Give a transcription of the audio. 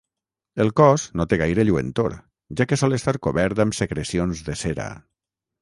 El cos no té gaire lluentor, ja que sol estar cobert amb secrecions de cera.